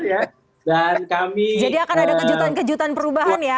jadi akan ada kejutan kejutan perubahan ya